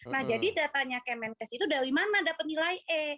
nah jadi datanya kemenkes itu dari mana dapat nilai e